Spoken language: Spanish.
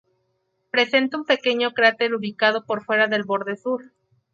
Presenta un pequeño cráter ubicado por fuera del borde sur.